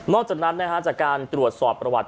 จากนั้นจากการตรวจสอบประวัติ